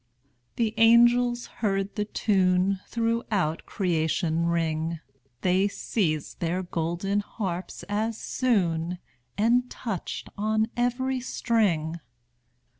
The angels heard the tune Throughout creation ring; They seized their golden harps as soon, And touched on every string.